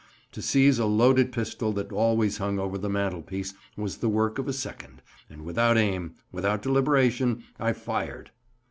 To seize a loaded pistol that always hung over the mantel piece was the work of a second, and, without aim, without deliberation, I fired.